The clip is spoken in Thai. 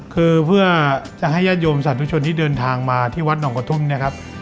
คือเพื่อจะให้ญาติโยมสาธุชนที่เดินทางมาที่วัดหนองกระทุ่มนะครับ